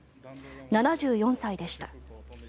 ７４歳でした。